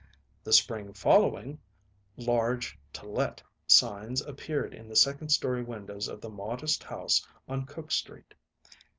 The spring following, large "To Let" signs appeared in the second story windows of the modest house on Cook Street.